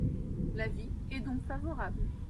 L’avis est donc favorable.